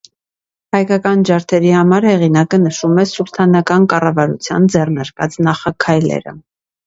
Հայկական ջարդերի համար հեղինակը նշում է սուլթանական կառավարության ձեռնարկած նախաքայլերը։